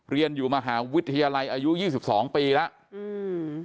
เรียนอยู่มหาวิทยาลัยอายุ๒๒ปีแล้ว